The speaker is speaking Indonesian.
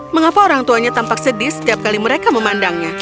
mengapa orang tuanya tampak sedih setiap kali mereka memandangnya